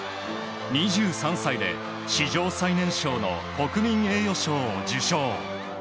２３歳で史上最年少の国民栄誉賞を受賞。